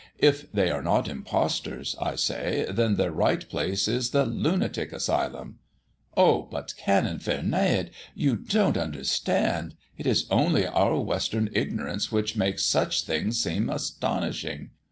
'If they are not impostors,' I say, 'then their right place is the lunatic asylum.' 'Oh but, Canon Vernade, you don't understand; it is only our Western ignorance which makes such things seem astonishing!